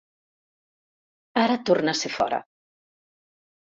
Ara torna a ser fora.